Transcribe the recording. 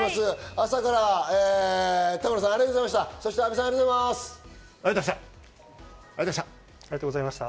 朝から田村さん、ありがとうございました。